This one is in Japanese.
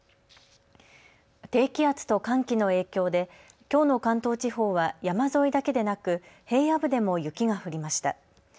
低気圧と寒気の影響できょうの関東地方は山沿いだけでなく平野部でも雪が降りました。